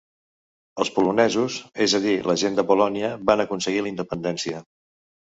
Els polonesos, és a dir la gent de Polònia, van aconseguir la independència.